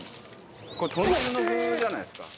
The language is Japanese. これ豚汁の具じゃないですか？